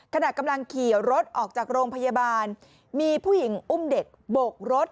ขณะกำลังขี่รถออกจากโรงพยาบาลมีผู้หญิงอุ้มเด็กโบกรถ